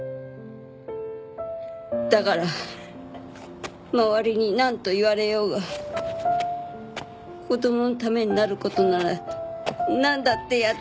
だから周りになんと言われようが子供のためになる事ならなんだってやってやりたい。